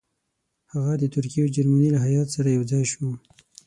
هغه د ترکیې او جرمني له هیات سره یو ځای شو.